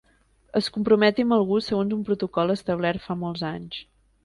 Es comprometi amb algú segons un protocol establert fa molts anys.